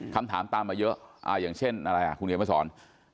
คำถามตามมาเยอะอย่างเช่นอะไรคุณเขียนมาสอน